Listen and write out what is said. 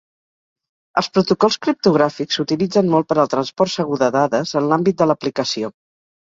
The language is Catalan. Els protocols criptogràfics s'utilitzen molt per al transport segur de dades en l'àmbit de l'aplicació.